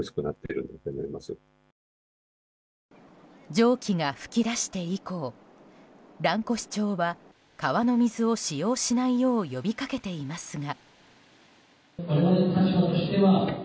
蒸気が噴き出して以降蘭越町は川の水を使用しないよう呼びかけていますが。